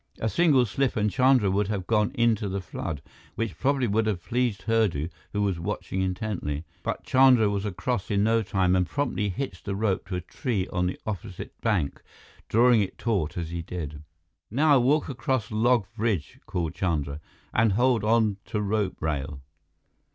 A single slip and Chandra would have gone into the flood, which probably would have pleased Hurdu, who was watching intently. But Chandra was across in no time and promptly hitched the rope to a tree on the opposite bank, drawing it taut as he did. "Now, walk across log bridge," called Chandra, "and hold on to rope rail."